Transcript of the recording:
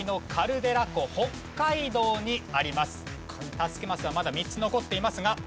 助けマスはまだ３つ残っていますが。